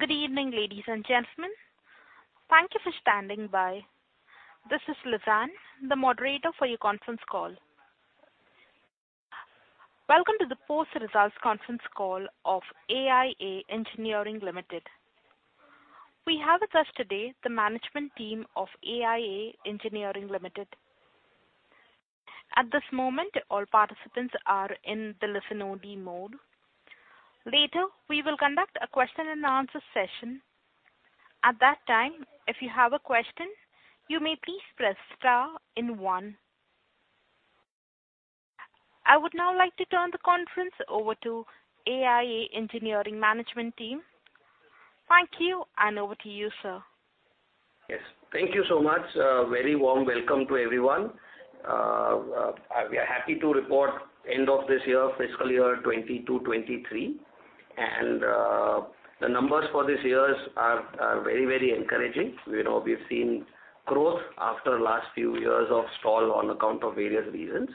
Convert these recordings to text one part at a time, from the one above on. Good evening, ladies and gentlemen. Thank you for standing by. This is Lizanne, the moderator for your conference call. Welcome to the post-results conference call of AIA Engineering Limited. We have with us today the management team of AIA Engineering Limited. At this moment, all participants are in the listen-only mode. Later, we will conduct a question-and-answer session. At that time, if you have a question, you may please press star and one. I would now like to turn the conference over to AIA Engineering management team. Thank you, and over to you, sir. Yes, thank you so much. Very warm welcome to everyone. We are happy to report end of this year, fiscal year 2022, 2023. The numbers for this years are very, very encouraging. You know, we've seen growth after last few years of stall on account of various reasons.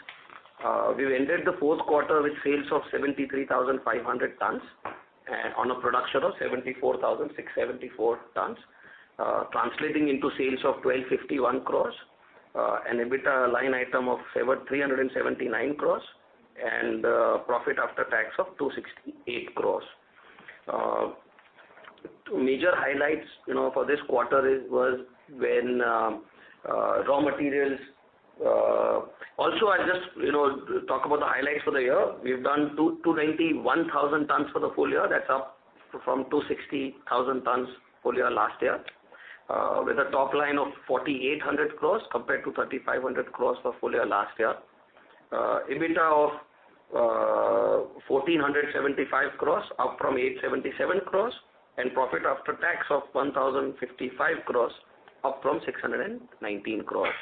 We've ended the fourth quarter with sales of 73,500 tons, on a production of 74,674 tons, translating into sales of 1,251 crores. EBITDA line item of 379 crores. Profit After Tax of INR 268 crores. Also, I'll just, you know, talk about the highlights for the year. We've done 291,000 tons for the full year. That's up from 260,000 tons full year last year, with a top line of 4,800 crores compared to 3,500 crores for full year last year. EBITDA of 1,475 crores, up from 877 crores, and profit after tax of 1,055 crores, up from 619 crores.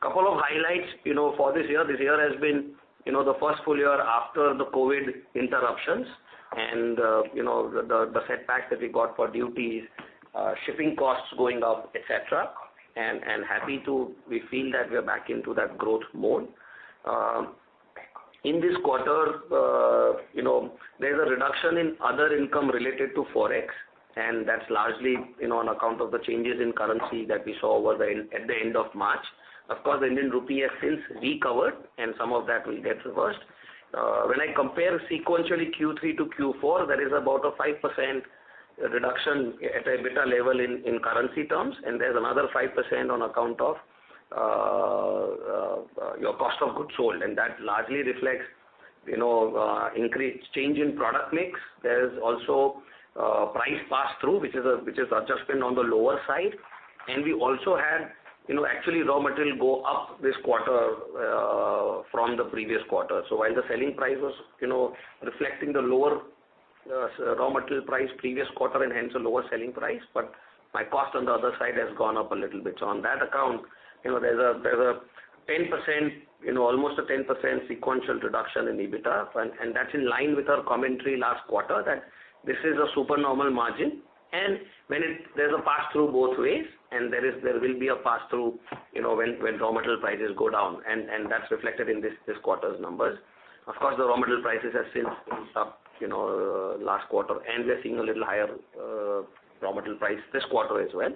Couple of highlights, you know, for this year. This year has been, you know, the first full year after the COVID interruptions and, you know, the, the setback that we got for duties, shipping costs going up, et cetera. We feel that we are back into that growth mode. In this quarter, you know, there's a reduction in other income related to Forex, and that's largely, you know, on account of the changes in currency that we saw over the end, at the end of March. Of course, the Indian rupee has since recovered, and some of that will get reversed. When I compare sequentially Q3 to Q4, there is about a 5% reduction at EBITDA level in currency terms, and there's another 5% on account of, your cost of goods sold. That largely reflects, you know, change in product mix. There's also, price pass-through, which is a, which is adjustment on the lower side. We also had, you know, actually, raw material go up this quarter, from the previous quarter. While the selling price was, you know, reflecting the lower raw material price previous quarter and hence a lower selling price, but my cost on the other side has gone up a little bit. On that account, you know, there's a 10%, you know, almost a 10% sequential reduction in EBITDA. That's in line with our commentary last quarter, that this is a supernormal margin. There's a pass-through both ways. There is, there will be a pass-through, you know, when raw material prices go down. That's reflected in this quarter's numbers. Of course, the raw material prices have since gone up, you know, last quarter. We are seeing a little higher raw material price this quarter as well.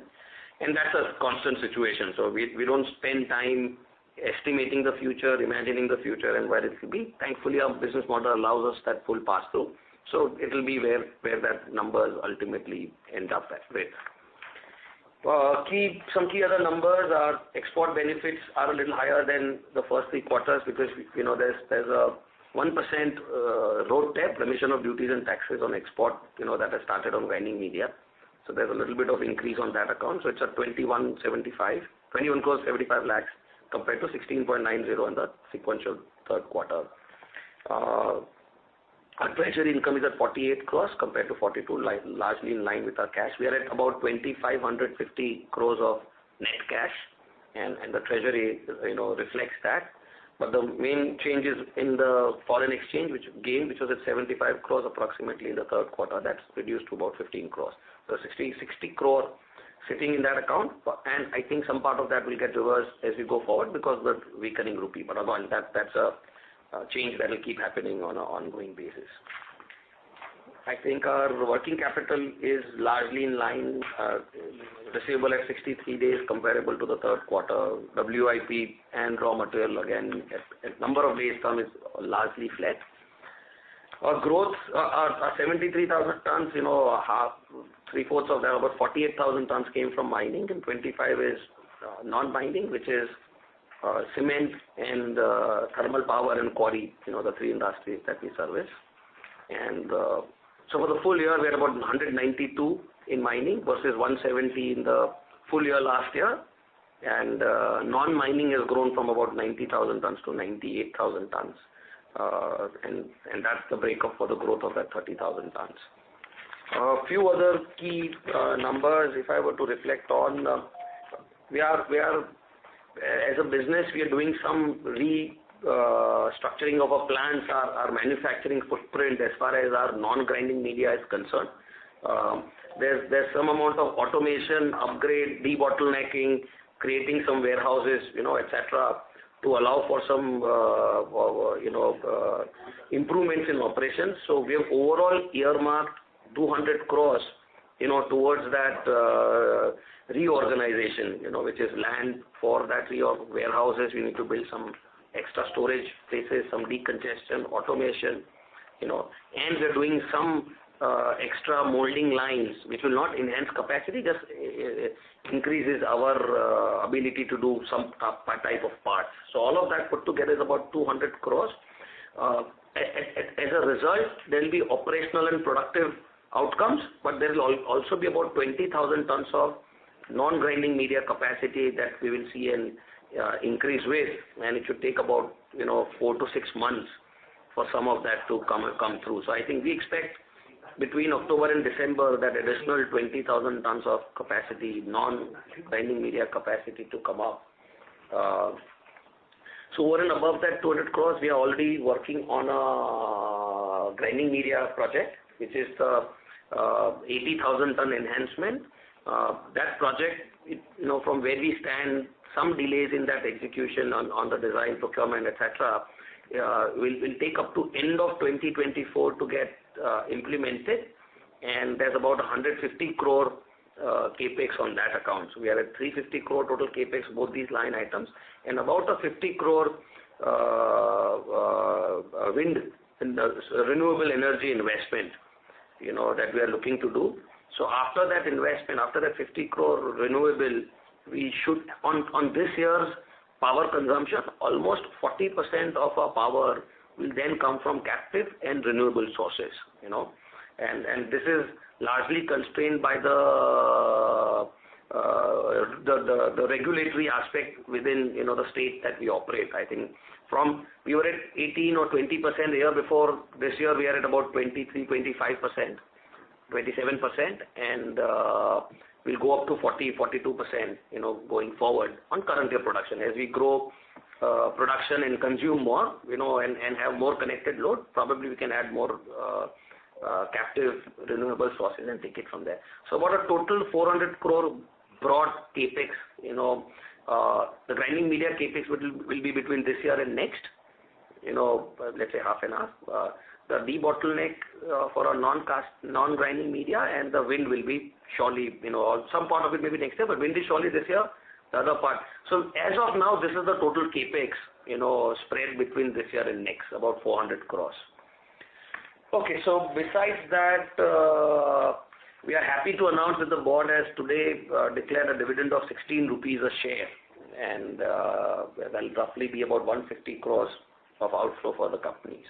That's a constant situation, so we don't spend time estimating the future, imagining the future and where it could be. Thankfully, our business model allows us that full pass-through, so it'll be where that numbers ultimately end up at rate. Some key other numbers are export benefits are a little higher than the first three quarters because, you know, there's a 1% RoDTEP, remission of duties and taxes on export, you know, that has started on grinding media. There's a little bit of increase on that account. It's at 21.75 crores, compared to 16.90 crores on the sequential third quarter. Our treasury income is at 48 crores compared to 42 crores, largely in line with our cash. We are at about 2,550 crores of net cash, and the treasury, you know, reflects that. The main change is in the foreign exchange, which gain, which was at 75 crores approximately in the third quarter. That's reduced to about 15 crores. 60 crore sitting in that account, and I think some part of that will get reversed as we go forward because the weakening rupee. Again, that's a change that will keep happening on an ongoing basis. I think our working capital is largely in line, receivable at 63 days, comparable to the third quarter. WIP and raw material, again, a number of days term is largely flat. Our growth, our 73,000 tons, you know, half, three-fourths of that, about 48,000 tons came from mining, and 25 is non-mining, which is cement and thermal power and quarry, you know, the three industries that we service. So for the full year, we are about 192 in mining versus 170 in the full year last year. Non-mining has grown from about 90,000 tons to 98,000 tons. And that's the breakup for the growth of that 30,000 tons. A few other key numbers, if I were to reflect on, we are as a business, we are doing some restructuring of our plants, our manufacturing footprint as far as our non-grinding media is concerned. There's, there's some amount of automation, upgrade, debottlenecking, creating some warehouses, you know, et cetera, to allow for some, you know, improvements in operations. We have overall earmarked 200 crores, you know, towards that reorganization, you know, which is land for that reorg. Warehouses, we need to build some extra storage spaces, some decongestion, automation, you know. We are doing some extra molding lines, which will not enhance capacity, just increases our ability to do some type of parts. All of that put together is about 200 crores. As a result, there'll be operational and productive outcomes, but there'll also be about 20,000 tons of non-grinding media capacity that we will see an increased with, and it should take about, you know, 4 to 6 months for some of that to come through. I think we expect between October and December, that additional 20,000 tons of capacity, non-grinding media capacity to come up. Over and above that 200 crore, we are already working on grinding media project, which is the 80,000 ton enhancement. That project, you know, from where we stand, some delays in that execution on the design, procurement, et cetera, will take up to end of 2024 to get implemented. There's about 150 crore CapEx on that account. We are at 350 crore total CapEx, both these line items, and about a 50 crore renewable energy investment, you know, that we are looking to do. After that investment, after that 50 crore renewable, on this year's power consumption, almost 40% of our power will then come from captive and renewable sources, you know? This is largely constrained by the regulatory aspect within, you know, the state that we operate, I think. We were at 18% or 20% the year before. This year, we are at about 23%, 25%, 27%, and we'll go up to 40%-42%, you know, going forward on current year production. As we grow, production and consume more, you know, and have more connected load, probably we can add more captive renewable sources and take it from there. About a total 400 crore broad CapEx, you know, the grinding media CapEx will be between this year and next, you know, let's say half an hour. The debottleneck for our non-cast, non-grinding media, and the wind will be surely, you know, some part of it may be next year, but wind is surely this year, the other part. As of now, this is the total CapEx, you know, spread between this year and next, about 400 crores. Besides that, we are happy to announce that the board has today declared a dividend of 16 rupees a share, and that'll roughly be about 150 crores of outflow for the company.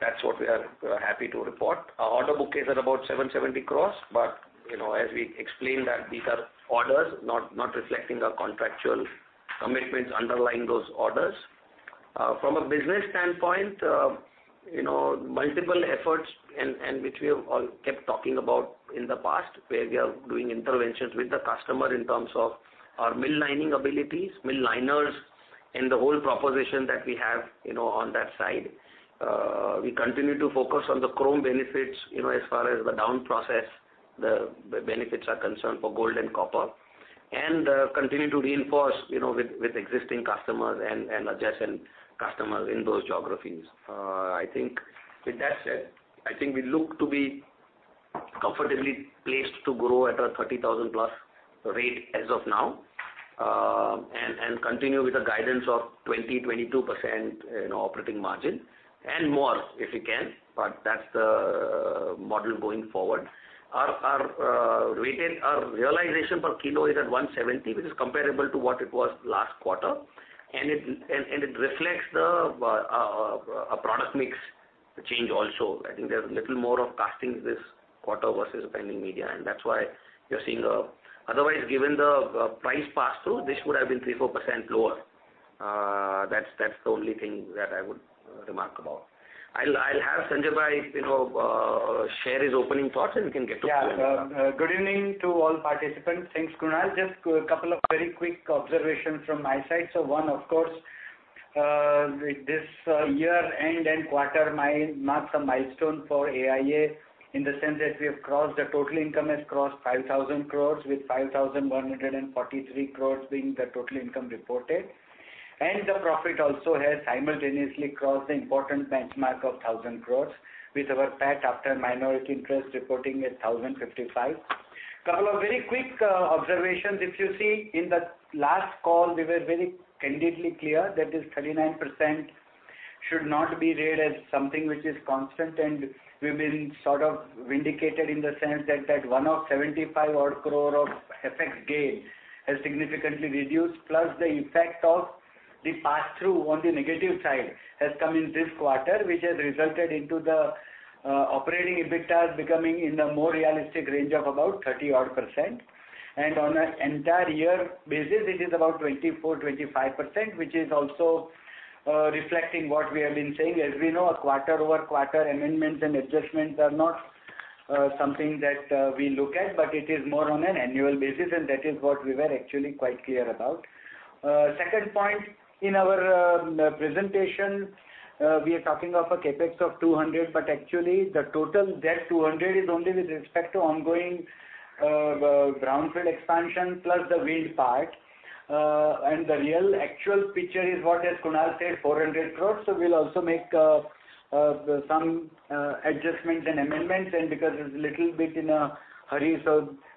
That's what we're happy to report. Our order book is at about 770 crores, you know, as we explained, that these are orders, not reflecting our contractual commitments underlying those orders. From a business standpoint, you know, multiple efforts and which we have all kept talking about in the past, where we are doing interventions with the customer in terms of our mill lining abilities, mill liners, and the whole proposition that we have, you know, on that side. We continue to focus on the chrome benefits, you know, as far as the down process, the benefits are concerned for gold and copper, continue to reinforce, you know, with existing customers and adjacent customers in those geographies. I think with that said, we look to be comfortably placed to grow at a 30,000-plus rate as of now, and continue with a guidance of 20%-22% in operating margin, and more, if we can, but that's the model going forward. Our realization per kilo is at 170, which is comparable to what it was last quarter, and it reflects the a product mix change also. I think there's little more of castings this quarter versus grinding media, otherwise, given the price pass-through, this would have been 3-4% lower. That's the only thing that I would remark about. I'll have Sanjay Majmudar, you know, share his opening thoughts, and we can get to. Yeah. Good evening to all participants. Thanks, Kunal. Just a couple of very quick observations from my side. So one, of course, with this year-end and quarter mile marks a milestone for AIA, in the sense that we have crossed the total income has crossed 5,000 crores, with 5,143 crores being the total income reported. The profit also has simultaneously crossed the important benchmark of 1,000 crores, with our PAT after minority interest reporting at 1,055 crores. Couple of very quick observations. If you see in the last call, we were very candidly clear that this 39% should not be read as something which is constant, and we've been sort of vindicated in the sense that that one of 75 odd crore of FX gain has significantly reduced, plus the effect of the pass-through on the negative side, has come in this quarter, which has resulted into the operating EBITDA becoming in a more realistic range of about 30 odd %. On an entire year basis, it is about 24%-25%, which is also..... reflecting what we have been saying. As we know, quarter-over-quarter amendments and adjustments are not something that we look at, but it is more on an annual basis, and that is what we were actually quite clear about. Second point, in our presentation, we are talking of a CapEx of 200, but actually the total debt 200 is only with respect to ongoing brownfield expansion, plus the wind part. The real actual picture is what has Kunal said, 400 crores. We'll also make some adjustments and amendments, because it's little bit in a hurry,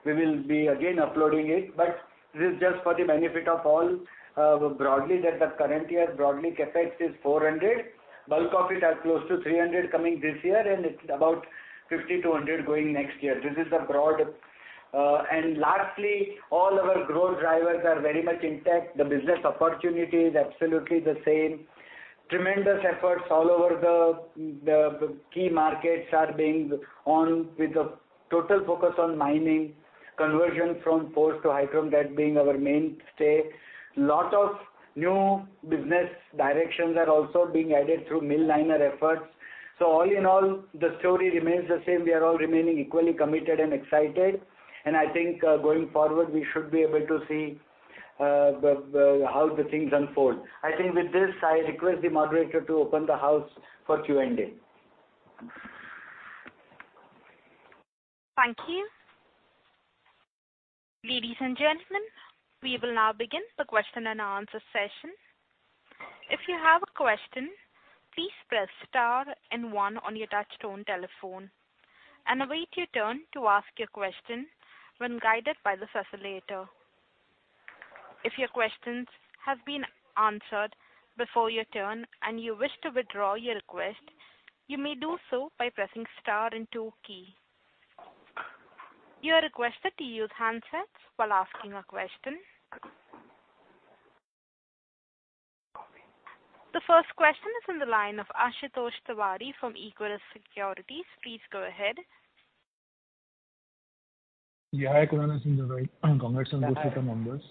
we will be again uploading it. This is just for the benefit of all, broadly, that the current year, broadly, CapEx is 400. Bulk of it are close to 300 coming this year, and it's about 50-100 going next year. This is a broad. Lastly, all our growth drivers are very much intact. The business opportunity is absolutely the same. Tremendous efforts all over the key markets are being on with the total focus on mining, conversion from forged to high chrome, that being our mainstay. Lot of new business directions are also being added through mill liner efforts. All in all, the story remains the same. We are all remaining equally committed and excited, and I think going forward, we should be able to see how the things unfold. I think with this, I request the moderator to open the house for Q&A. Thank you. Ladies and gentlemen, we will now begin the question and answer session. If you have a question, please press star and one on your touch tone telephone, and await your turn to ask your question when guided by the facilitator. If your questions have been answered before your turn and you wish to withdraw your request, you may do so by pressing star and two key. You are requested to use handsets while asking a question. The first question is on the line of Ashutosh Tiwari from Equirus Securities. Please go ahead. Yeah, hi, Kunal. Congratulations to the members.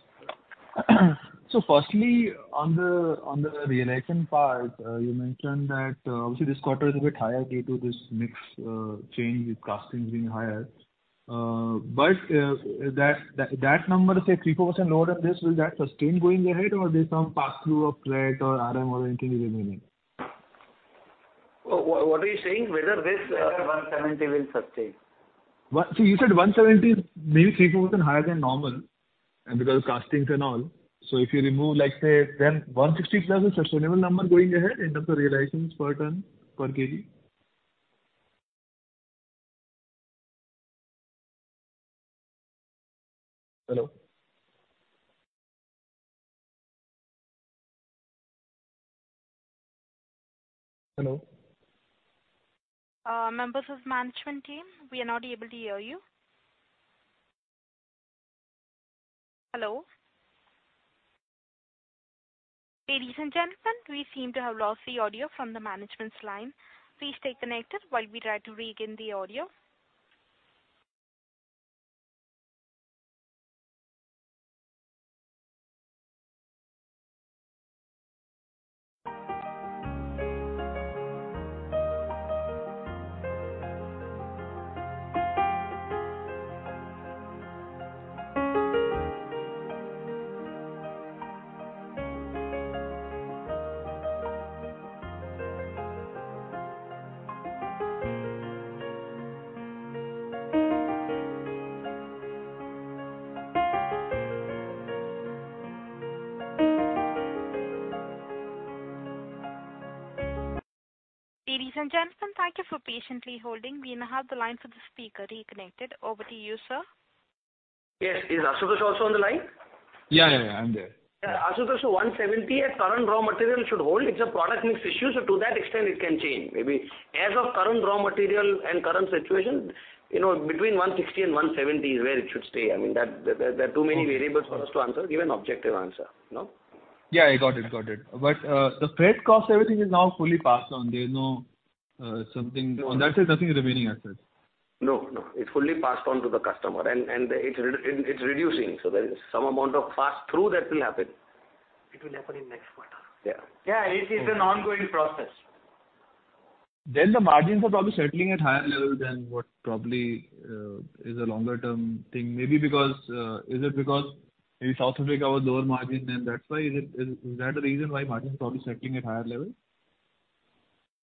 Firstly, on the realization part, you mentioned that obviously this quarter is a bit higher due to this mix change with castings being higher. That number, say 3-4% lower than this, will that sustain going ahead or there's some pass-through of freight or RM or anything remaining? What are you saying? Whether this 170 will sustain. Well, you said 170 is maybe 3%, 4% higher than normal, and because castings and all. If you remove, like, say, then 160 plus is sustainable number going ahead in terms of realizations per ton, per KG? Hello? Hello? members of management team, we are not able to hear you. Hello? Ladies and gentlemen, we seem to have lost the audio from the management's line. Please stay connected while we try to regain the audio. Ladies and gentlemen, thank you for patiently holding. We now have the line for the speaker reconnected. Over to you, sir. Yes. Is Ashutosh also on the line? Yeah, yeah, I'm there. Yeah. Ashutosh, 170 as current raw material should hold. It's a product mix issue, to that extent, it can change. Maybe as of current raw material and current situation, you know, between 160 and 170 is where it should stay. I mean, there are too many variables for us to answer, give an objective answer, no? Yeah, I got it, got it. The freight cost, everything is now fully passed on. There's no. On that, there's nothing remaining as such. No, no, it's fully passed on to the customer, and it's reducing. There is some amount of pass-through that will happen. It will happen in next quarter. Yeah. Yeah, it is an ongoing process. The margins are probably settling at higher level than what probably is a longer term thing. Maybe because, is it because in South Africa, was lower margin, then that's why? Is that the reason why margin is probably settling at higher level?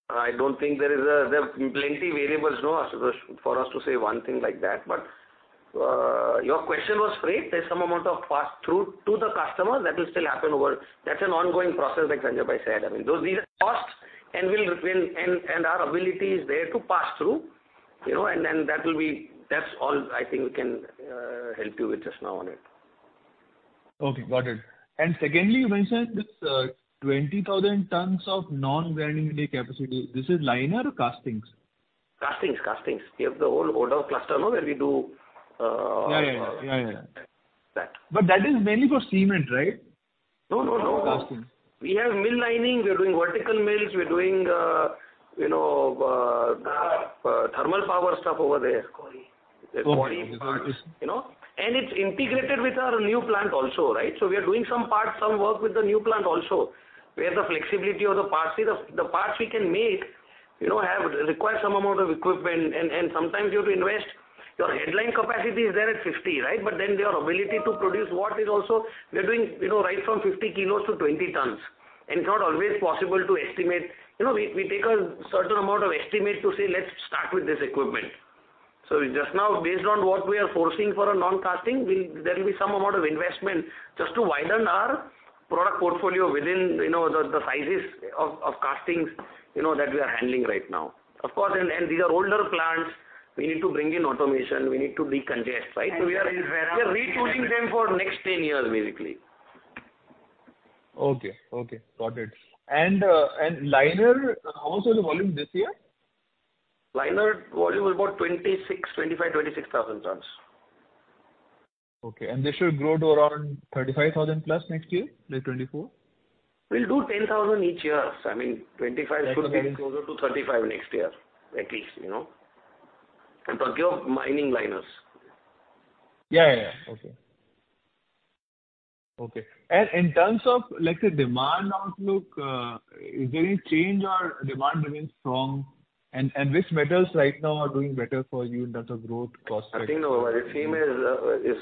I don't think there are plenty variables, no, Ashutosh, for us to say one thing like that. Your question was freight. There's some amount of pass-through to the customer that will still happen over. That's an ongoing process, like Sanjay Majmudar said. I mean, these are costs, and we'll. Our ability is there to pass through, you know, and then that will be that's all I think we can help you with just now on it. Okay, got it. Secondly, you mentioned this 20,000 tons of non-wearing capacity. This is liner or castings? Castings. We have the whole Odowa cluster, no, where we do. Yeah, yeah. Yeah, yeah. That. That is mainly for cement, right? No, no. Castings. We have mill lining, we're doing vertical mills, we're doing, you know.... thermal power stuff over there. Quarry. The quarry, you know, and it's integrated with our new plant also, right? We are doing some parts, some work with the new plant also, where the flexibility of the parts, see the parts we can make, you know, require some amount of equipment, and sometimes you have to invest. Your headline capacity is there at 50, right? Your ability to produce what is also, we are doing, you know, right from 50 kilos to 20 tons, and it's not always possible to estimate. You know, we take a certain amount of estimate to say, "Let's start with this equipment." Just now, based on what we are foresee for a non-casting, there will be some amount of investment just to widen our product portfolio within, you know, the sizes of castings, you know, that we are handling right now. Of course, and these are older plants. We need to bring in automation. We need to de-congest, right? We are retooling them for next 10 years, basically. Okay, okay. Got it. Liner, how was the volume this year? Liner volume was about 26,000, 25,000, 26,000 tons. Okay, this should grow to around 35,000 plus next year, like 2024? We'll do 10,000 each year. I mean, 25 should be closer to 35 next year, at least, you know? I'm talking of mining liners. Yeah, yeah. Okay. Okay, and in terms of, let's say, demand outlook, is there any change or demand remains strong? Which metals right now are doing better for you in terms of growth, cost-... I think our theme is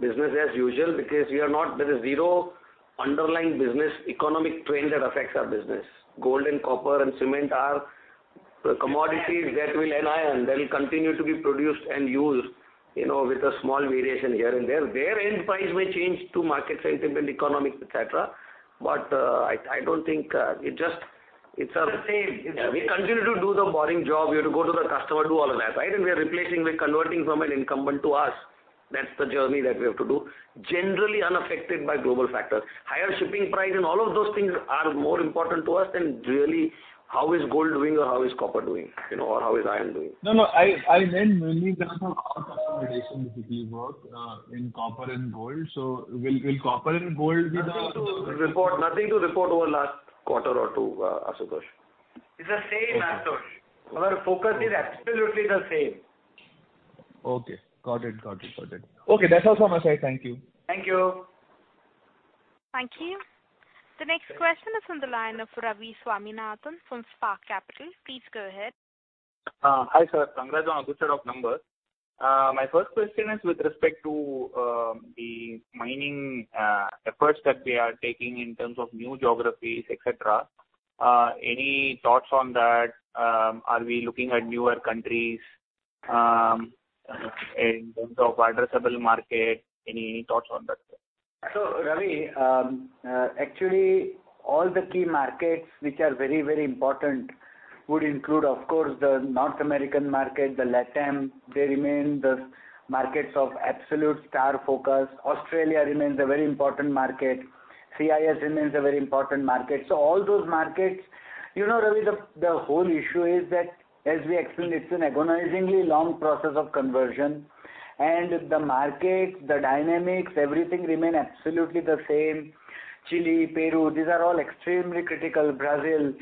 business as usual, because there is zero underlying business economic trend that affects our business. Gold and copper and cement are the commodities that will end iron. They'll continue to be produced and used, you know, with a small variation here and there. Their end price may change to market sentiment, economic, et cetera, but, I don't think. It's the same. Yeah. We continue to do the boring job. We have to go to the customer, do all of that, right? We are replacing, we're converting from an incumbent to us. That's the journey that we have to do. Generally unaffected by global factors. Higher shipping price and all of those things are more important to us than really how is gold doing or how is copper doing, you know, or how is iron doing. No, I meant mainly in terms of our relations with you both, in copper and gold. Will copper and gold be? Nothing to report, nothing to report over last quarter or two, Ashutosh. It's the same, Ashutosh. Our focus is absolutely the same. Okay. Got it, got it, got it. Okay, that's all from my side. Thank you. Thank you. Thank you. The next question is on the line of Ravi Swaminathan from Spark Capital. Please go ahead. Hi, sir. Congrats on a good set of numbers. My first question is with respect to the mining efforts that we are taking in terms of new geographies, et cetera. Any thoughts on that? Are we looking at newer countries in terms of addressable market? Any thoughts on that, sir? Ravi, actually, all the key markets which are very, very important would include, of course, the North American market, the LATAM. They remain the markets of absolute star focus. Australia remains a very important market. CIS remains a very important market. All those markets, you know, Ravi, the whole issue is that as we explained, it's an agonizingly long process of conversion, and the markets, the dynamics, everything remain absolutely the same. Chile, Peru, these are all extremely critical. Brazil.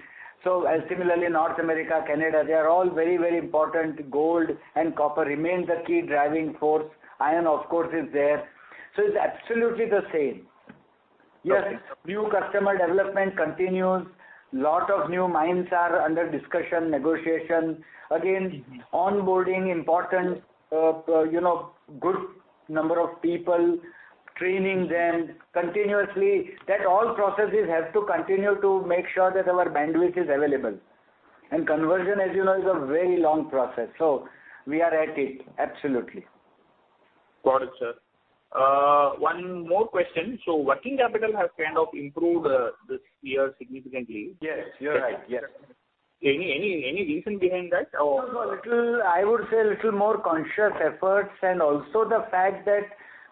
As similarly, North America, Canada, they are all very, very important. Gold and copper remain the key driving forged. Iron, of course, is there. It's absolutely the same. Okay. Yes, new customer development continues. Lot of new mines are under discussion, negotiation. Again, onboarding important, you know, good number of people, training them continuously, that all processes have to continue to make sure that our bandwidth is available. Conversion, as you know, is a very long process. We are at it, absolutely. Got it, sir. One more question: working capital has kind of improved this year significantly? Yes, you're right. Yes. Any reason behind that? I would say a little more conscious efforts, and also the fact that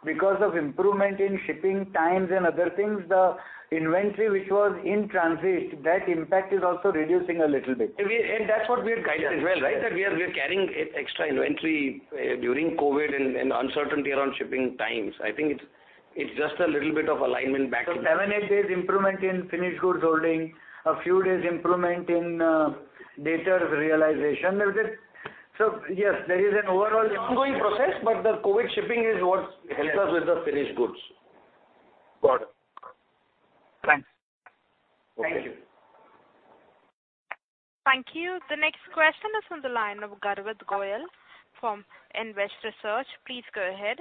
because of improvement in shipping times and other things, the inventory which was in transit, that impact is also reducing a little bit. That's what we had guided as well, right? That we are carrying extra inventory, during COVID and uncertainty around shipping times. I think it's just a little bit of alignment back. 7-8 days improvement in finished goods holding, a few days improvement in data realization. That's it. Yes, there is an overall ongoing process, but the COVID shipping is what helped us with the finished goods. Got it. Thanks. Okay. Thank you. Thank you. The next question is on the line of Garvit Goyal from Invest Research. Please go ahead.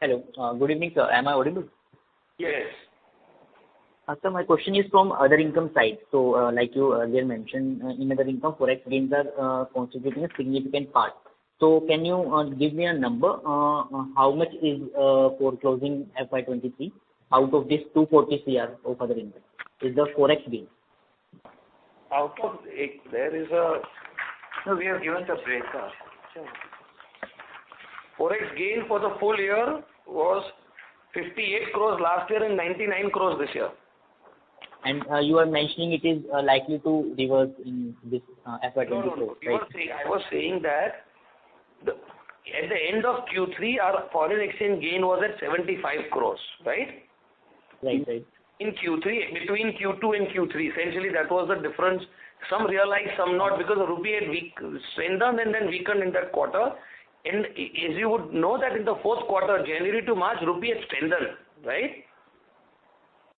Hello. Good evening, sir. Am I audible? Yes. Sir, my question is from other income side. Like you earlier mentioned, in other income, Forex gains are constituting a significant part. Can you give me a number on how much is for closing FY23 out of this 240 crore of other income, is the Forex gain? Out of... There is a- No, we have given the breakdown. Forex gain for the full year was 58 crores last year and 99 crores this year. You are mentioning it is likely to reverse in this FY 2024, right? No, no. I was saying, end of Q3, our foreign exchange gain was at 75 crores, right? Right, right. In Q3, between Q2 and Q3, essentially, that was the difference. Some realized, some not, because the rupee had strengthened and then weakened in that quarter. As you would know that in the fourth quarter, January to March, rupee had strengthened, right?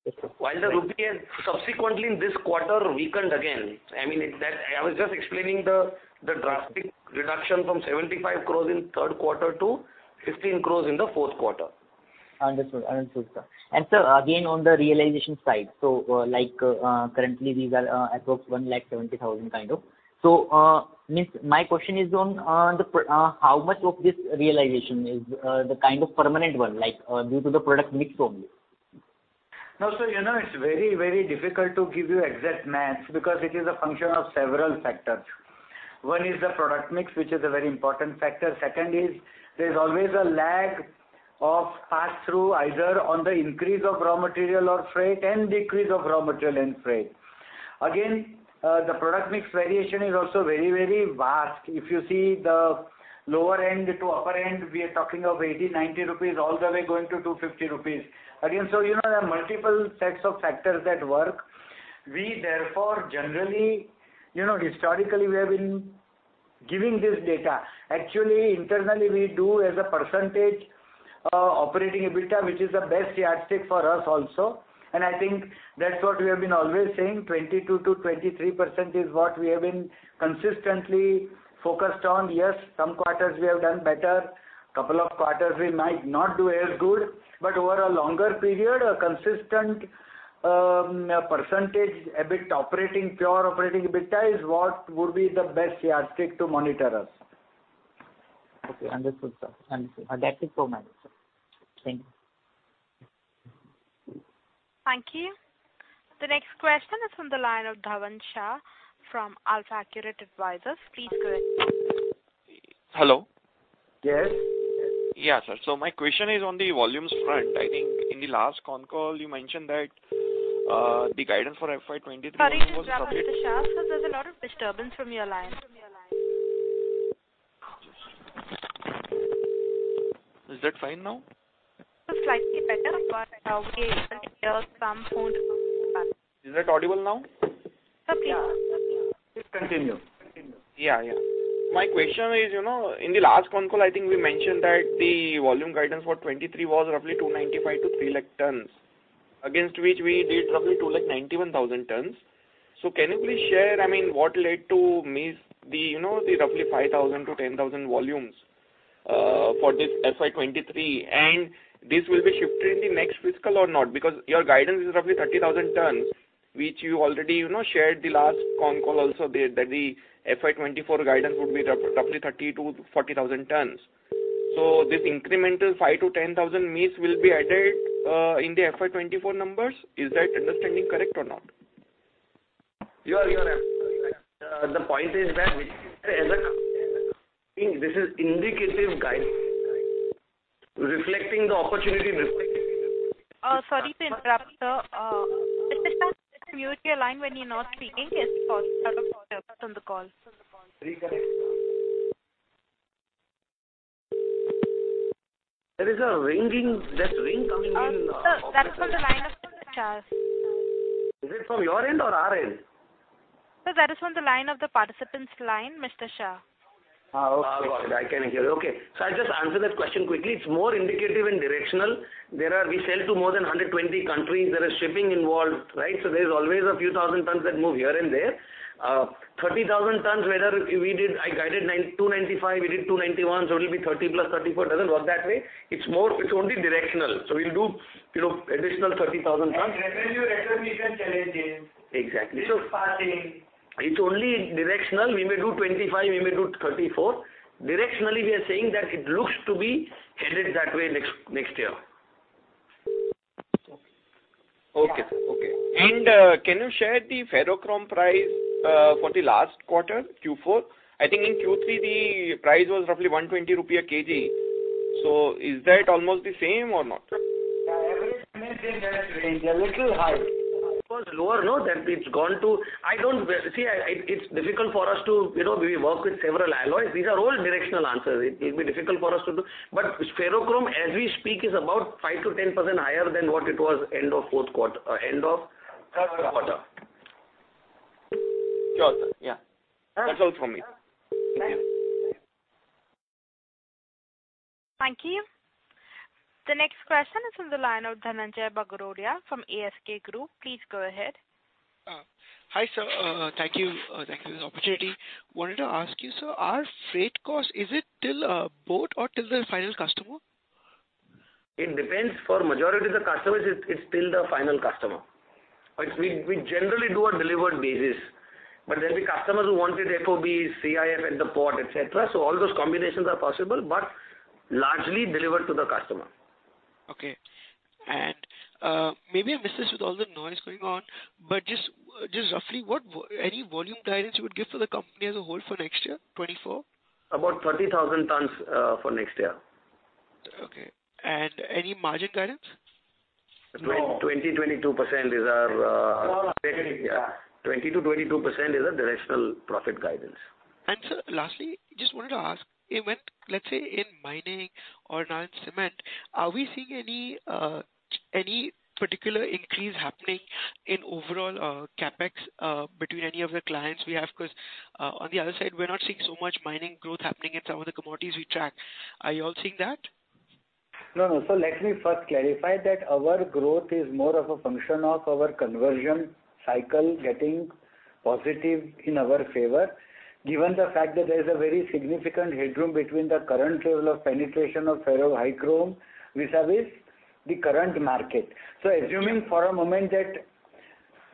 Yes, sir. While the rupee had subsequently in this quarter, weakened again. I mean, I was just explaining the drastic reduction from 75 crores in third quarter to 15 crores in the fourth quarter. Understood. Understood, sir. Sir, again, on the realization side, currently these are at about 1,70,000. My question is on the, how much of this realization is the kind of permanent one due to the product mix problem? No, you know, it's very, very difficult to give you exact maths because it is a function of several factors. One is the product mix, which is a very important factor. Second is, there's always a lag of pass-through, either on the increase of raw material or freight, and decrease of raw material and freight. Again, the product mix variation is also very, very vast. If you see the lower end to upper end, we are talking of 80-90 rupees, all the way going to 250 rupees. Again, you know, there are multiple sets of factors at work. We therefore, generally, you know, historically, we have been giving this data. Actually, internally, we do as a %, operating EBITDA, which is the best yardstick for us also. I think that's what we have been always saying, 22%-23% is what we have been consistently focused on. Yes, some quarters we have done better, couple of quarters we might not do as good, but over a longer period, a consistent, percentage, EBIT, operating, pure operating EBITDA is what would be the best yardstick to monitor us. Okay, understood, sir. Understood. That's it for me, sir. Thank you. Thank you. The next question is on the line of Dhaval Shah from AlfAccurate Advisors. Please go ahead. Hello. Yes. Yeah, sir. My question is on the volumes front. I think in the last con call, you mentioned that the guidance for FY 2023. Sorry to interrupt, Mr. Shah, but there's a lot of disturbance from your line. Is that fine now? It's slightly better. Obviously, you can hear some more. Is that audible now? Okay. Please continue. Yeah, yeah. My question is, you know, in the last con call, I think we mentioned that the volume guidance for 2023 was roughly 2.95 lakh to 3 lakh tons, against which we did roughly 2.91 lakh tons. Can you please share, I mean, what led to miss the, you know, the roughly 5,000-10,000 volumes for this FY 2023? This will be shifted in the next fiscal or not, because your guidance is roughly 30,000 tons, which you already, you know, shared the last con call also, that the FY 2024 guidance would be roughly 30,000-40,000 tons. This incremental 5,000-10,000 miss will be added in the FY 2024 numbers? Is that understanding correct or not? You are, the point is that as a company, this is indicative guide, reflecting the opportunity risk. Sorry to interrupt, sir. Just mute your line when you're not speaking, it's a lot of clutter on the call. There is a ringing, there's ring coming in. Sir, that is from the line of Mr. Shah. Is it from your end or our end? Sir, that is from the line of the participant's line, Mr. Shah. Okay. Got it. I can hear you. Okay. I'll just answer that question quickly. It's more indicative and directional. We sell to more than 120 countries. There is shipping involved, right? There's always a few thousand tons that move here and there. 30,000 tons, whether we did, I guided 9, 295, we did 291, so it'll be 30 plus 34. It doesn't work that way. It's more, it's only directional. We'll do, you know, additional 30,000 tons. Revenue recognition challenges. Exactly. passing. It's only directional. We may do 25, we may do 34. Directionally, we are saying that it looks to be headed that way next year. Okay. Okay. Can you share the ferrochrome price for the last quarter, Q4? I think in Q3, the price was roughly 120 rupee a kg. Is that almost the same or not? Yeah, everything is in that range, a little high. It was lower, no? It's gone to... See, it's difficult for us to, you know, we work with several alloys. These are all directional answers. It'll be difficult for us to do. Ferrochrome, as we speak, is about 5%-10% higher than what it was end of fourth quarter, end of third quarter. Sure, sir. Yeah. That's all from me. Thank you. The next question is on the line of Dhananjai Bagrodia from ASK Group. Please go ahead. Hi, sir. Thank you. Thank you for this opportunity. Wanted to ask you, sir, our freight cost, is it till port or till the final customer? It depends. For majority of the customers, it's till the final customer. We generally do on delivered basis, but there'll be customers who want it FOB, CIF, at the port, et cetera. All those combinations are possible, but largely delivered to the customer. Okay. Maybe I missed this with all the noise going on, but just roughly, what any volume guidance you would give for the company as a whole for next year, 2024? About 30,000 tons for next year. Okay. Any margin guidance?... yeah, 20%-22% is our directional profit guidance. Sir, lastly, just wanted to ask, event, let's say, in mining or non-cement, are we seeing any any particular increase happening in overall CapEx between any of the clients we have? Because on the other side, we're not seeing so much mining growth happening in some of the commodities we track. Are you all seeing that? No, no. Let me first clarify that our growth is more of a function of our conversion cycle getting positive in our favor, given the fact that there is a very significant headroom between the current level of penetration of ferrochrome vis-à-vis the current market. Assuming for a moment that.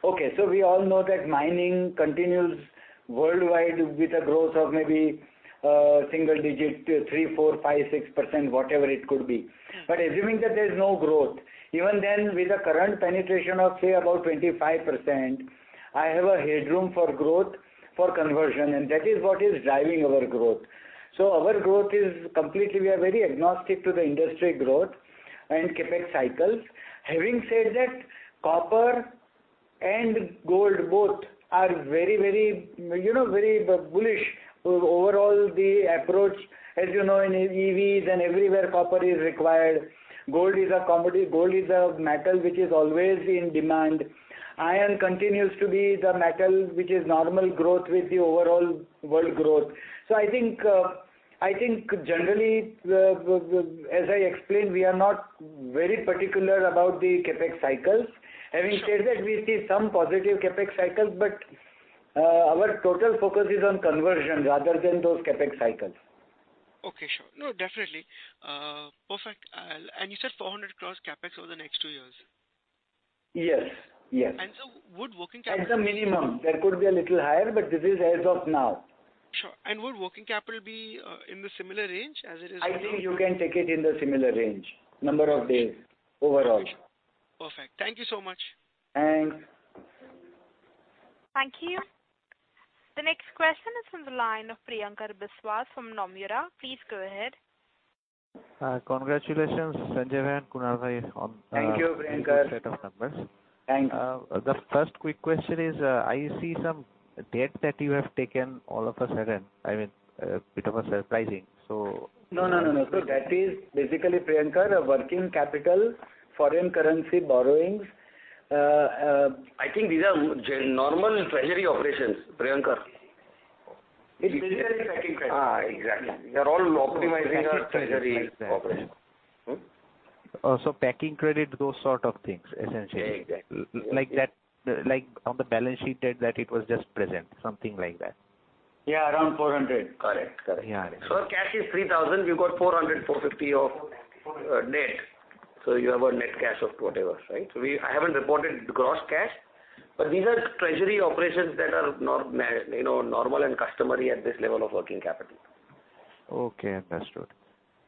Okay, we all know that mining continues worldwide with a growth of maybe, single digit, 3%, 4%, 5%, 6%, whatever it could be. Assuming that there is no growth, even then, with the current penetration of, say, about 25%, I have a headroom for growth, for conversion, and that is what is driving our growth. Our growth is completely, we are very agnostic to the industry growth and CapEx cycles. Having said that, copper and gold both are very, very, you know, very bullish. Overall, the approach, as you know, in EVs and everywhere, copper is required. Gold is a commodity. Gold is a metal which is always in demand. Iron continues to be the metal, which is normal growth with the overall world growth. I think, I think generally, the, as I explained, we are not very particular about the CapEx cycles. Having said that, we see some positive CapEx cycles, but, our total focus is on conversion rather than those CapEx cycles. Okay, sure. No, definitely. Perfect. You said 400 crore CapEx over the next 2 years? Yes, yes. Would working capital. At the minimum, that could be a little higher. This is as of now. Sure. Would working capital be in the similar range as it is now? I think you can take it in the similar range, number of days overall. Perfect. Thank you so much. Thanks. Thank you. The next question is from the line of Priyanka Biswas from Nomura. Please go ahead. Hi. Congratulations, Sanjay and Kunal. Thank you, Priyanka. set of numbers. Thanks. The first quick question is, I see some debt that you have taken all of a sudden. I mean, a bit of a surprising. No, no, no. That is basically, Priyanka, a working capital, foreign currency borrowings. I think these are normal treasury operations, Priyanka. It's basically packing credit. Exactly. We are all optimizing our treasury operation. packing credit, those sort of things, essentially. Exactly. Like that, like, on the balance sheet that it was just present, something like that. Yeah, around 400. Correct. Correct. Yeah. Our cash is 3,000. We've got 400, 450 of net. You have a net cash of whatever, right? I haven't reported gross cash, but these are treasury operations that are you know, normal and customary at this level of working capital. Okay, understood.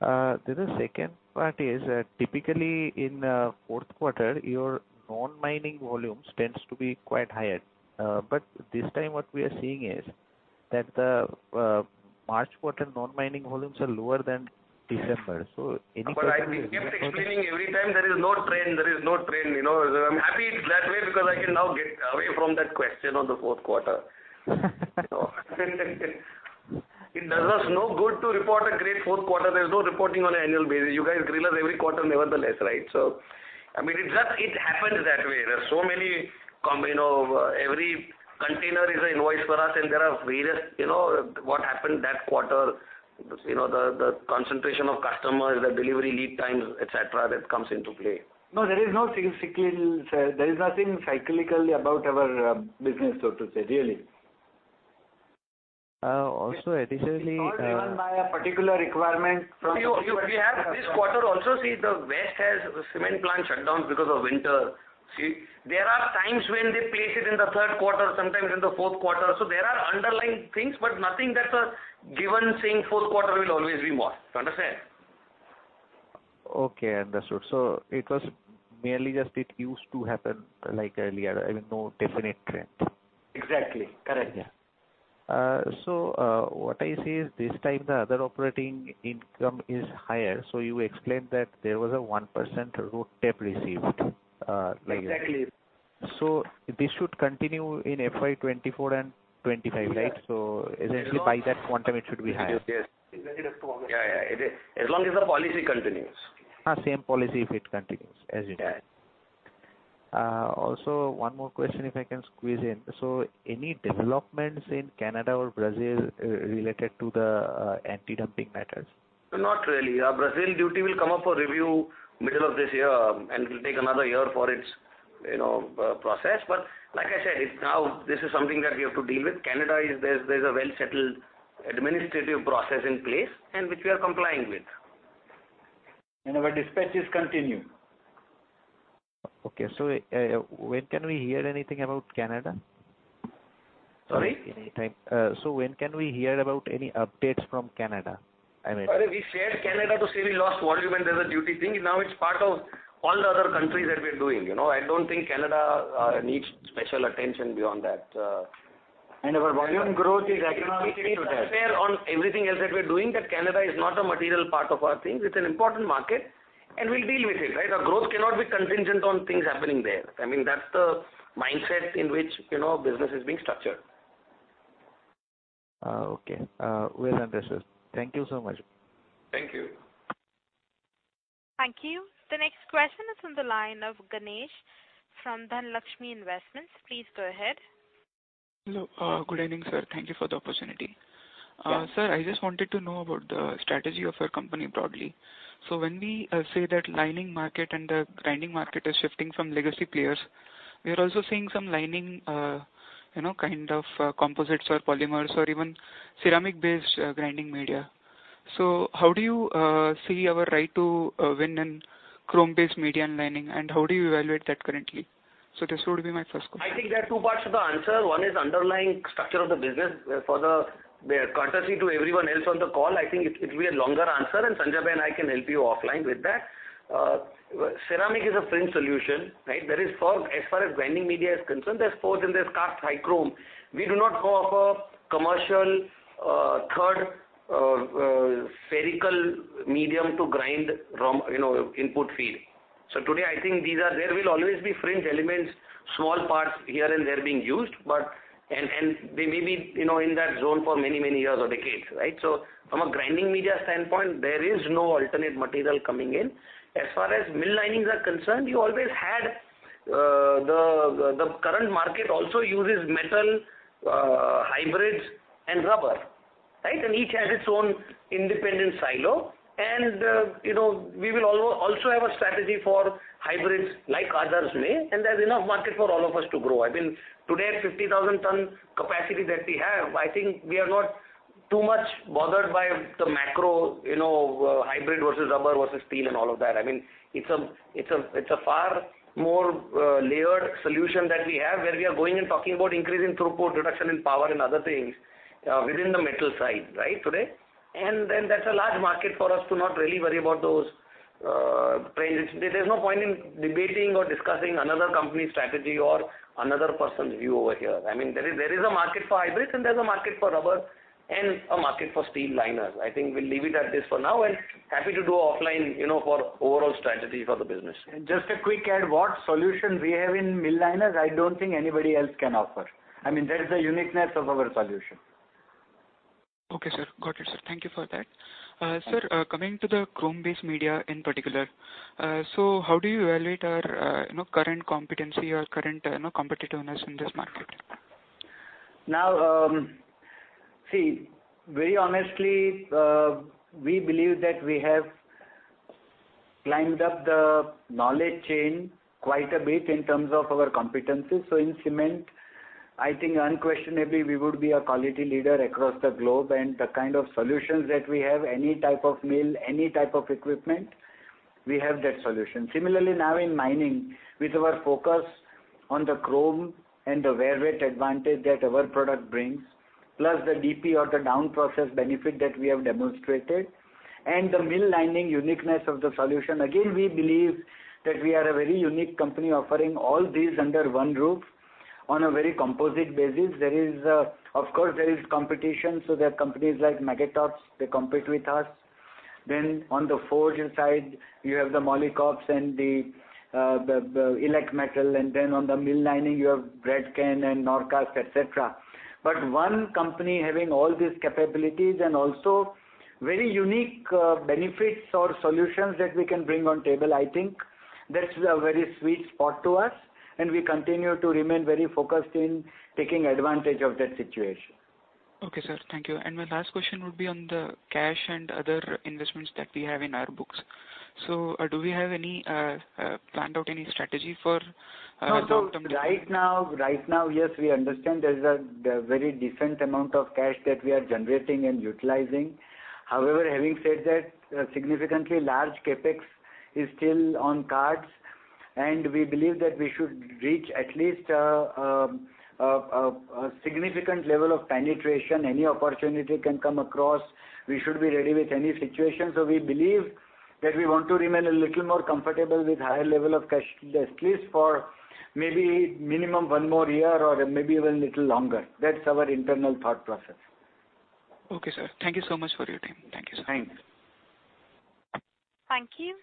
The second part is, typically in fourth quarter, your non-mining volumes tends to be quite higher. This time, what we are seeing is that the March quarter non-mining volumes are lower than December. I think I kept explaining every time there is no trend, there is no trend, you know. I'm happy it's that way, because I can now get away from that question on the fourth quarter. It does us no good to report a great fourth quarter. There's no reporting on an annual basis. You guys grill us every quarter, nevertheless, right? I mean, it just, it happens that way. There are so many, you know, every container is an invoice for us, and there are various, you know, what happened that quarter, you know, the concentration of customers, the delivery lead times, et cetera, that comes into play. No, there is no cyclical, sir. There is nothing cyclical about our business, so to say, really. Also additionally. Not driven by a particular requirement from- We have this quarter also, see, the West has cement plant shutdowns because of winter. See, there are times when they place it in the third quarter, sometimes in the fourth quarter. There are underlying things, but nothing that's a given, saying fourth quarter will always be more. You understand? Okay, understood. It was merely just it used to happen, like earlier, I mean, no definite trend. Exactly. Correct. Yeah. What I see is this time the other operating income is higher. You explained that there was a 1% road tax received. Exactly. This should continue in FY 24 and 25, right? Yeah. Essentially, by that point in time, it should be higher. Yes. Yeah, yeah. As long as the policy continues. Same policy, if it continues as it is. Yeah. Also, one more question, if I can squeeze in. Any developments in Canada or Brazil related to the anti-dumping matters? Not really. Brazil duty will come up for review middle of this year, and it will take another year for its, you know, process. Like I said, it's now this is something that we have to deal with. Canada is there's a well-settled administrative process in place and which we are complying with. Our dispatches continue. Okay. When can we hear anything about Canada? Sorry? When can we hear about any updates from Canada? We shared Canada to say we lost volume and there's a duty thing. Now it's part of all the other countries that we're doing. You know, I don't think Canada needs special attention beyond that. Our volume growth is economically to that. On everything else that we're doing, that Canada is not a material part of our thing. It's an important market, and we'll deal with it, right? Our growth cannot be contingent on things happening there. I mean, that's the mindset in which, you know, business is being structured. Okay. Well understood. Thank you so much. Thank you. Thank you. The next question is on the line of Ganesh from Dhanlaxmi Investments. Please go ahead. Hello. Good evening, sir. Thank you for the opportunity. Yeah. Sir, I just wanted to know about the strategy of your company broadly. When we say that lining market and the grinding market is shifting from legacy players, we are also seeing some lining, you know, kind of composites or polymers or even ceramic-based grinding media. How do you see our right to win in chrome-based media and lining, and how do you evaluate that currently? This would be my first question. I think there are two parts to the answer. One is underlying structure of the business. For the courtesy to everyone else on the call, I think it'll be a longer answer, and Sanjay Bhayani can help you offline with that. Ceramic is a fringe solution, right? There is As far as grinding media is concerned, there's forged and there's cast high chrome. We do not go offer commercial, third, spherical medium to grind from, you know, input feed. Today, I think There will always be fringe elements, small parts here and there being used, and they may be, you know, in that zone for many, many years or decades, right? From a grinding media standpoint, there is no alternate material coming in. As far as mill liners are concerned, you always had the current market also uses metal hybrids and rubber, right? Each has its own independent silo. You know, we will also have a strategy for hybrids like others may, and there's enough market for all of us to grow. I mean, today, 50,000 ton capacity that we have, I think we are not too much bothered by the macro, you know, hybrid versus rubber versus steel and all of that. I mean, it's a far more layered solution that we have, where we are going and talking about increasing throughput, reduction in power and other things within the metal side, right, today. That's a large market for us to not really worry about those trends. There's no point in debating or discussing another company's strategy or another person's view over here. I mean, there is a market for hybrids, and there's a market for rubber and a market for steel liners. I think we'll leave it at this for now, and happy to do offline, you know, for overall strategy for the business. Just a quick add, what solution we have in mill liners, I don't think anybody else can offer. I mean, that is the uniqueness of our solution. Okay, sir. Got it, sir. Thank you for that. Sir, coming to the chrome-based media in particular, how do you evaluate our, you know, current competency or current, you know, competitiveness in this market? See, very honestly, we believe that we have climbed up the knowledge chain quite a bit in terms of our competencies. In cement, I think unquestionably, we would be a quality leader across the globe, and the kind of solutions that we have, any type of mill, any type of equipment, we have that solution. Similarly, now in mining, with our focus on the chrome and the wear rate advantage that our product brings, plus the DP or the down-process benefit that we have demonstrated, and the mill lining uniqueness of the solution, again, we believe that we are a very unique company offering all these under one roof on a very composite basis. There is, of course, there is competition, so there are companies like Magotteaux, they compete with us. On the forged side, you have the Molycop and the Elecmetal, and then on the mill lining, you have Bradken and Norcast, et cetera. One company having all these capabilities and also very unique benefits or solutions that we can bring on table, I think that's a very sweet spot to us, and we continue to remain very focused in taking advantage of that situation. Okay, sir. Thank you. My last question would be on the cash and other investments that we have in our books. Do we have any planned out any strategy for short-term? Right now, yes, we understand there's a very different amount of cash that we are generating and utilizing. Having said that, a significantly large CapEx is still on cards, we believe that we should reach at least a significant level of penetration. Any opportunity can come across, we should be ready with any situation. We believe that we want to remain a little more comfortable with higher level of cash, at least for maybe minimum one more year or maybe even little longer. That's our internal thought process. Okay, sir. Thank you so much for your time. Thank you, sir. Thanks. Thank you.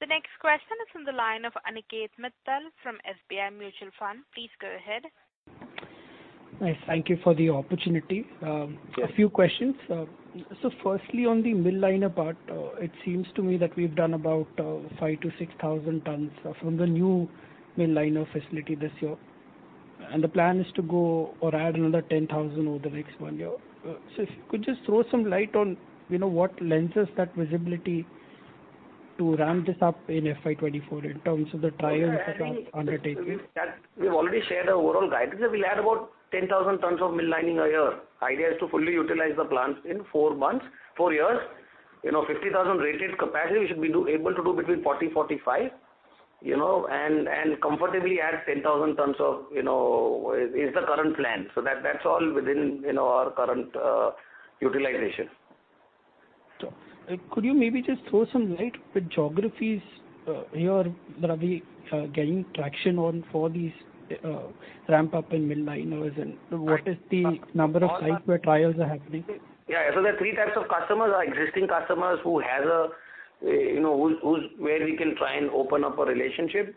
The next question is on the line of Aniket Mittal from SBI Mutual Fund. Please go ahead. Nice. Thank you for the opportunity. Sure. A few questions. Firstly, on the mill liner part, it seems to me that we've done about, 5,000-6,000 tons from the new mill liner facility this year, and the plan is to go or add another 10,000 over the next one year. If you could just throw some light on, you know, what lenses that visibility to ramp this up in FY24 in terms of the trials that are undertaken? That we've already shared the overall guidance, that we'll add about 10,000 tons of mill lining a year. Idea is to fully utilize the plants in four years. You know, 50,000 rated capacity, we should be able to do between 40-45, you know, and comfortably add 10,000 tons of, you know, is the current plan. That's all within, you know, our current utilization.... Could you maybe just throw some light with geographies here that are we getting traction on for these ramp up in mill liners? And what is the number of sites where trials are happening? Yeah, there are three types of customers. Our existing customers who has a, you know, whose, where we can try and open up a relationship.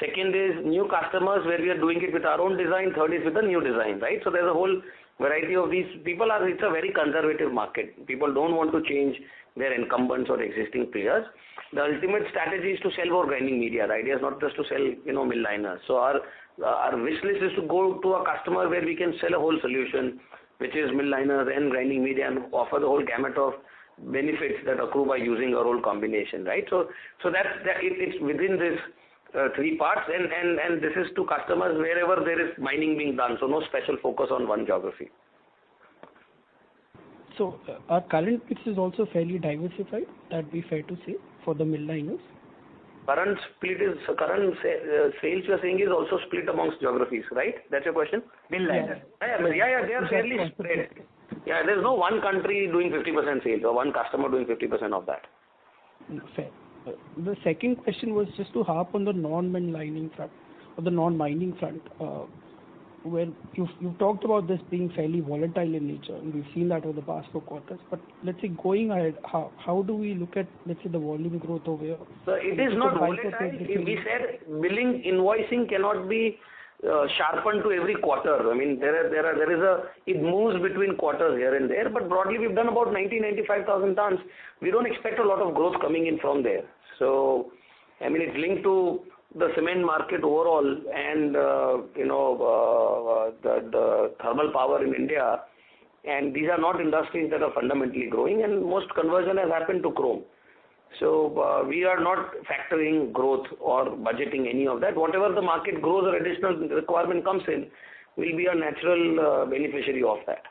Second is new customers, where we are doing it with our own design. Third is with a new design, right? There's a whole variety of these. It's a very conservative market. People don't want to change their incumbents or existing players. The ultimate strategy is to sell more grinding media, the idea is not just to sell, you know, mill liners. Our wish list is to go to a customer where we can sell a whole solution, which is mill liners and grinding media, and offer the whole gamut of benefits that accrue by using our own combination, right? That's, it's within these three parts, and this is to customers wherever there is mining being done, so no special focus on one geography. Our current pitch is also fairly diversified, that'd be fair to say, for the mill liners? Current sales, you're saying, is also split amongst geographies, right? That's your question. mill liners. Yeah, yeah, they are fairly spread. Yeah, there's no one country doing 50% sales or one customer doing 50% of that. Fair. The second question was just to harp on the non-mill lining front or the non-mining front. Where you've talked about this being fairly volatile in nature, and we've seen that over the past 4 quarters. Let's say, going ahead, how do we look at, let's say, the volume growth over here? Sir, it is not volatile. We said, billing, invoicing cannot be sharpened to every quarter. I mean, it moves between quarters here and there, but broadly, we've done about 90,000-95,000 tons. We don't expect a lot of growth coming in from there. I mean, it's linked to the cement market overall and, you know, the thermal power in India, and these are not industries that are fundamentally growing, and most conversion has happened to chrome. We are not factoring growth or budgeting any of that. Whatever the market grows or additional requirement comes in, we'll be a natural beneficiary of that.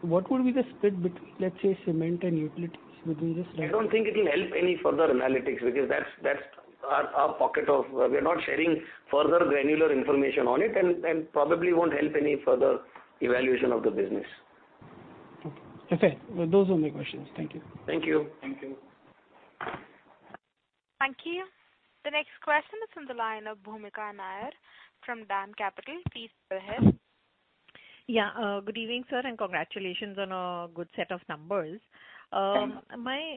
What would be the split between, let's say, cement and utilities? Would we. I don't think it'll help any further analytics, because that's our pocket of... We're not sharing further granular information on it, and probably won't help any further evaluation of the business. Okay. Those were my questions. Thank you. Thank you. Thank you. Thank you. The next question is from the line of Bhoomika Nair from DAM Capital. Please go ahead. Yeah, good evening, sir, and congratulations on a good set of numbers. Thank you. My,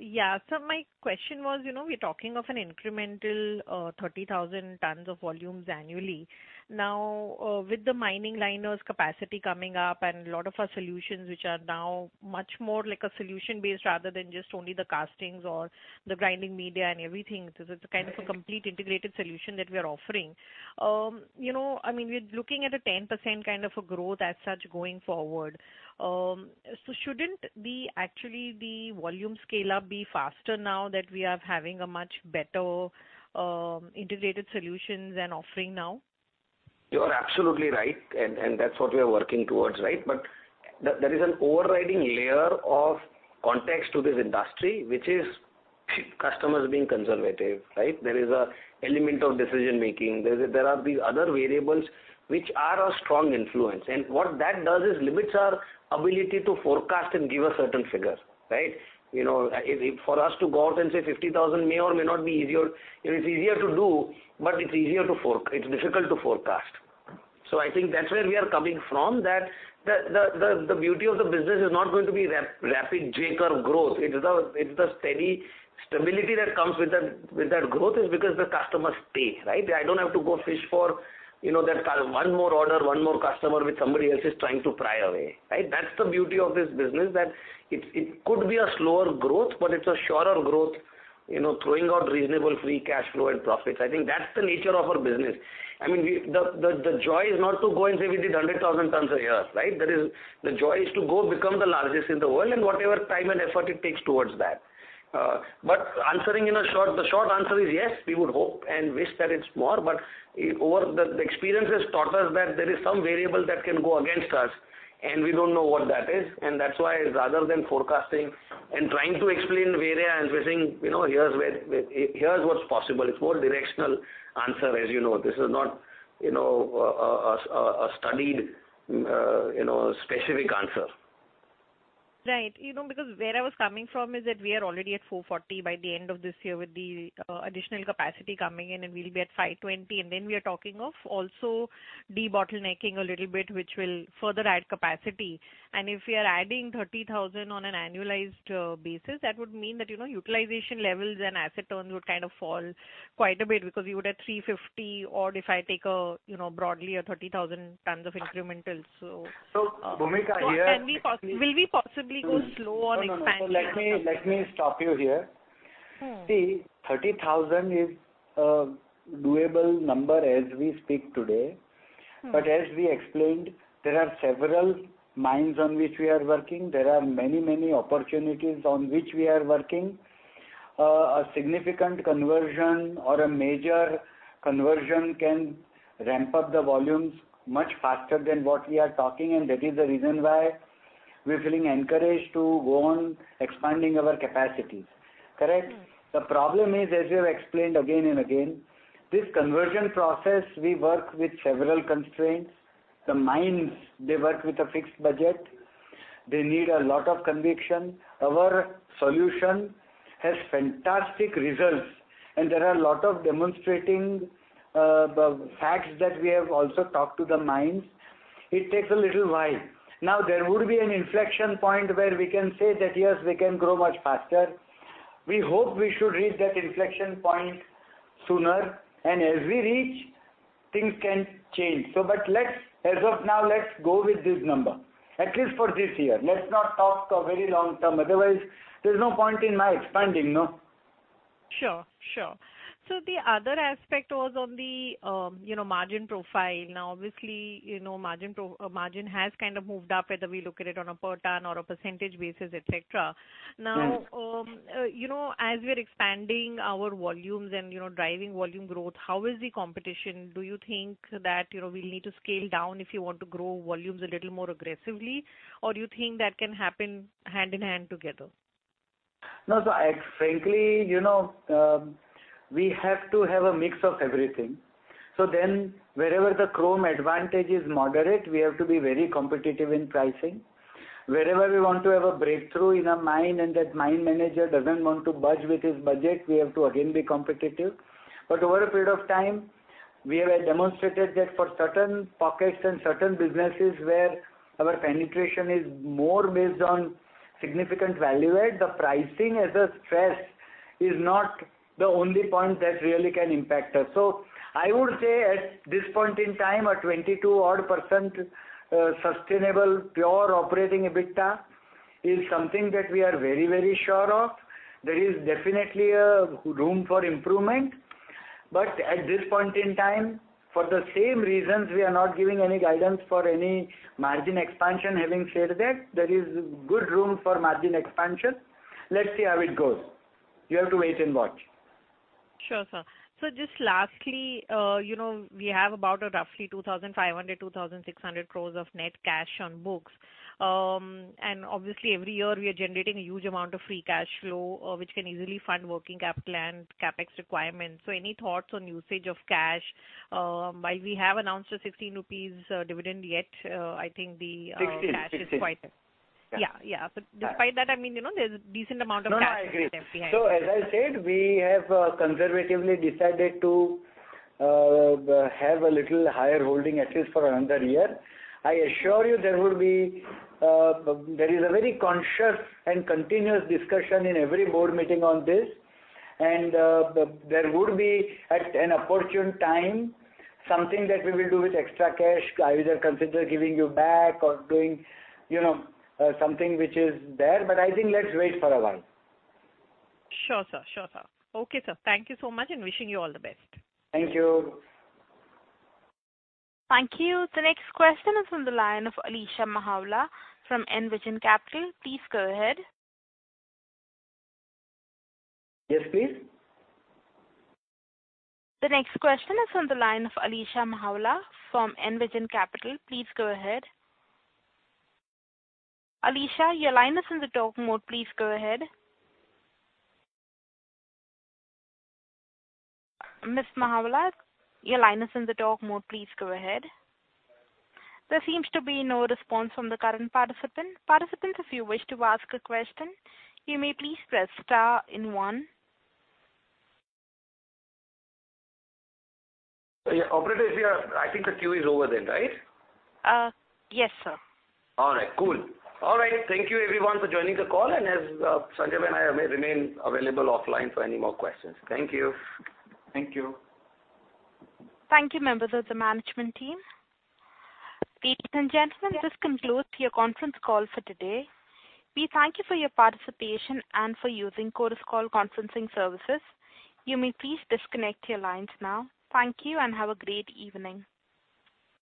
yeah. My question was, you know, we're talking of an incremental, 30,000 tons of volumes annually. Now, with the mining liners capacity coming up and a lot of our solutions, which are now much more like a solution-based rather than just only the castings or the grinding media and everything, it's kind of a complete integrated solution that we are offering. You know, I mean, we're looking at a 10% kind of a growth as such going forward. Shouldn't the actually, the volume scale-up be faster now that we are having a much better, integrated solutions and offering now? You are absolutely right, and that's what we are working towards, right? There is an overriding layer of context to this industry, which is customers being conservative, right? There is an element of decision-making, there are these other variables which are a strong influence, and what that does is limits our ability to forecast and give a certain figure, right? You know, if for us to go out and say 50,000 may or may not be easier, it is easier to do, but it's easier to it's difficult to forecast. I think that's where we are coming from, that the beauty of the business is not going to be rapid J-curve growth. It's the steady stability that comes with that growth is because the customers stay, right? I don't have to go fish for, you know, that one more order, one more customer, which somebody else is trying to pry away, right? That's the beauty of this business, that it could be a slower growth, but it's a surer growth, you know, throwing out reasonable free cash flow and profits. I think that's the nature of our business. I mean, the joy is not to go and say we did 100,000 tons a year, right? The joy is to go become the largest in the world and whatever time and effort it takes towards that. The short answer is yes, we would hope and wish that it's more, but over the experience has taught us that there is some variable that can go against us, and we don't know what that is. That's why rather than forecasting and trying to explain where we are and we're saying, "You know, here's where, here's what's possible." It's more directional answer, as you know. This is not, you know, a studied, you know, specific answer. Right. You know, because where I was coming from is that we are already at 440 by the end of this year with the additional capacity coming in, and we'll be at 520, and then we are talking of also debottlenecking a little bit, which will further add capacity. If we are adding 30,000 on an annualized basis, that would mean that, you know, utilization levels and asset turns would kind of fall quite a bit because you would have 350, or if I take a, you know, broadly a 30,000 tons of incremental. Bhoomika. Will we possibly go slow on expanding? No, no. Let me, let me stop you here. Mm-hmm. See, 30,000 is a doable number as we speak today. Mm-hmm. As we explained, there are several mines on which we are working. There are many opportunities on which we are working. A significant conversion or a major conversion can ramp up the volumes much faster than what we are talking, and that is the reason why we're feeling encouraged to go on expanding our capacities. Correct? Mm-hmm. The problem is, as we have explained again and again, this conversion process, we work with several constraints. ... the mines, they work with a fixed budget. They need a lot of conviction. Our solution has fantastic results, and there are a lot of demonstrating the facts that we have also talked to the mines. It takes a little while. Now, there would be an inflection point where we can say that, yes, we can grow much faster. We hope we should reach that inflection point sooner, and as we reach, things can change. As of now, let's go with this number, at least for this year. Let's not talk of very long term. Otherwise, there's no point in my expanding, no? Sure, sure. The other aspect was on the, you know, margin profile. Now, obviously, you know, margin has kind of moved up, whether we look at it on a per ton or a percentage basis, et cetera. Yes. you know, as we're expanding our volumes and, you know, driving volume growth, how is the competition? Do you think that, you know, we need to scale down if you want to grow volumes a little more aggressively, or do you think that can happen hand in hand together? I frankly, you know, we have to have a mix of everything. Wherever the chrome advantage is moderate, we have to be very competitive in pricing. Wherever we want to have a breakthrough in a mine, and that mine manager doesn't want to budge with his budget, we have to again be competitive. Over a period of time, we have demonstrated that for certain pockets and certain businesses where our penetration is more based on significant value add, the pricing as a stress is not the only point that really can impact us. I would say at this point in time, a 22 odd % sustainable pure operating EBITDA is something that we are very, very sure of. There is definitely a room for improvement, but at this point in time, for the same reasons, we are not giving any guidance for any margin expansion. Having said that, there is good room for margin expansion. Let's see how it goes. You have to wait and watch. Sure, sir. Just lastly, you know, we have about a roughly 2,500-2,600 crores of net cash on books. Obviously every year, we are generating a huge amount of free cash flow, which can easily fund working capital and CapEx requirements. Any thoughts on usage of cash? While we have announced an 16 rupees dividend, yet, I think the 16. cash is quite. Yeah, yeah. Despite that, I mean, you know, there's a decent amount of cash. No, no, I agree. Behind. As I said, we have, conservatively decided to have a little higher holding, at least for another year. I assure you there will be. There is a very conscious and continuous discussion in every board meeting on this, and there would be, at an opportune time, something that we will do with extra cash. I either consider giving you back or doing, you know, something which is there, but I think let's wait for a while. Sure, sir. Sure, sir. Okay, sir. Thank you so much. Wishing you all the best. Thank you. Thank you. The next question is from the line of Alisha Mahawalkar from Envision Capital. Please go ahead. Yes, please. The next question is from the line of Alisha Mahawalkar from Envision Capital. Please go ahead. Alisha, your line is in the talk mode. Please go ahead. Miss Mahawalkar, your line is in the talk mode. Please go ahead. There seems to be no response from the current participant. Participants, if you wish to ask a question, you may please press star and one. Yeah, operator, I think the queue is over then, right? Yes, sir. All right, cool. All right, thank you everyone for joining the call, and as Sanjay and I may remain available offline for any more questions. Thank you. Thank you. Thank you, members of the management team. Ladies and gentlemen, this concludes your conference call for today. We thank you for your participation and for using ChorusCall conferencing services. You may please disconnect your lines now. Thank you and have a great evening.